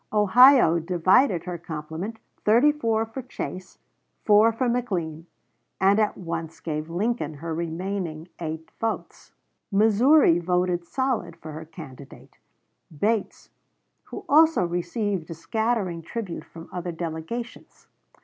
Ohio divided her compliment, 34 for Chase, 4 for McLean, and at once gave Lincoln her 8 remaining votes. Missouri voted solid for her candidate, Bates, who also received a scattering tribute from other delegations.